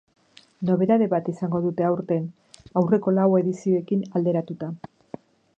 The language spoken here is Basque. Nobedade bat izango dute aurten, aurreko lau edizioekin alderatuta.